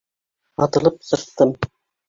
Атылып сыҡтым.